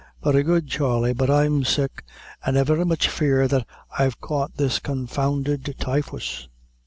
"Very good, Charley; but I'm sick; and I very much fear that I've caught this confounded typhus."